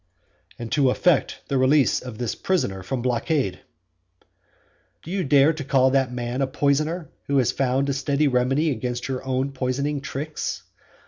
"And to effect the release of this poisoner from blockade." Do you dare to call that man a poisoner who has found a remedy against your own poisoning tricks?